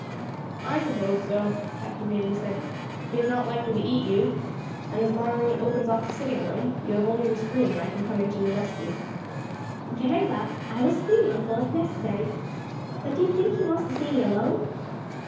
"I suppose so," Captain Bayley said. "He is not likely to eat you, and as my room opens off the sitting room, you have only to scream and I can come in to your rescue." "Very well, I will scream, uncle, if necessary. But do you think he wants to see me alone?"